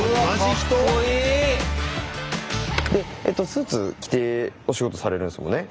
スーツ着てお仕事されるんですもんね。